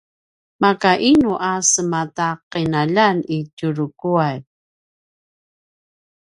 maka inu a sema ta qinaljan i Tjuruquay?